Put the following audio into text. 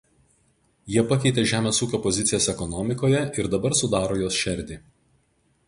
Jie pakeitė žemės ūkio pozicijas ekonomikoje ir dabar sudaro jos šerdį.